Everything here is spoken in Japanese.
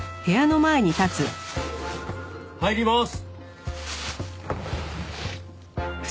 入ります。